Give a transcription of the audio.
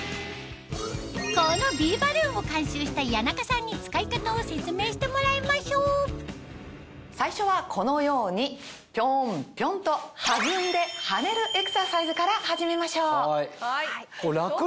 このビーバルーンを監修した谷中さんに使い方を説明してもらいましょう最初はこのようにピョンピョンと弾んで跳ねるエクササイズから始めましょう。